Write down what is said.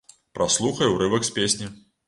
Праслухай урывак з песні.